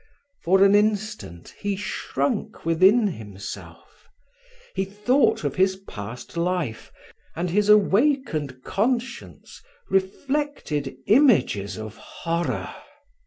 For an instant he shrunk within himself: he thought of his past life, and his awakened conscience reflected images of horror.